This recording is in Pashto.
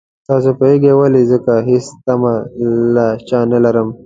تاسو پوهېږئ ولې ځکه هېڅ تمه له چا نه لرم.